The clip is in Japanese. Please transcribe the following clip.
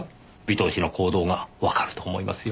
尾藤氏の行動がわかると思いますよ。